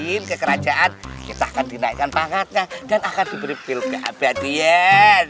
hampir kerajaan kita akan dinaikkan pangkatnya dan akan diberi afil ke abadian